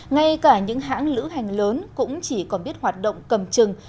ngay cả những hãng lữ hành lớn cũng chỉ còn biết hoạt động cầm chừng